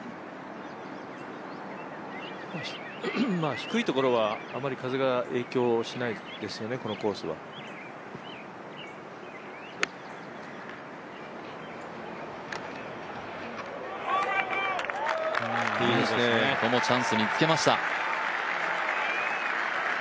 低いところはあまり風が影響しないですよね、このコースはここもチャンスにつけました。